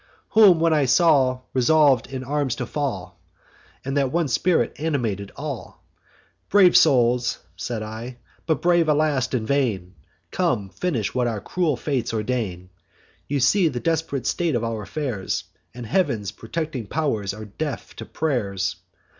Whom when I saw resolv'd in arms to fall, And that one spirit animated all: 'Brave souls!' said I, 'but brave, alas! in vain: Come, finish what our cruel fates ordain. You see the desp'rate state of our affairs, And heav'n's protecting pow'rs are deaf to pray'rs.